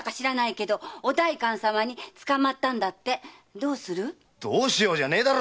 「どうする」じゃねえだろ！